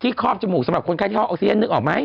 ที่ครอบจมูกสำหรับคนไข้ที่ต้องให้ออกซิเยนนึกออกไหม